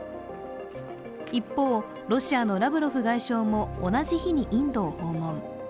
一方、ロシアのラブロフ外相も同じ日にインドを訪問。